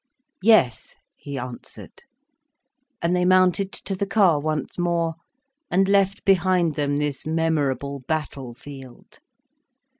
"Yes," he answered. And they mounted to the car once more, and left behind them this memorable battle field.